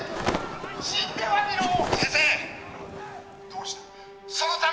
「どうした？